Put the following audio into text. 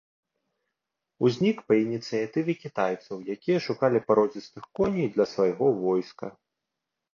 Узнік па ініцыятыве кітайцаў, якія шукалі пародзістых коней для свайго войска.